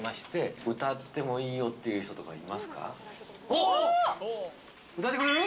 おお、歌ってくれる？